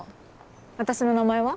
私の名前は？